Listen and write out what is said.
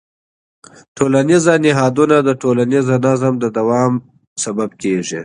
ټولنیز نهادونه د ټولنیز نظم د دوام لامل کېږي.